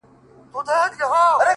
• مړ مي مړوند دی؛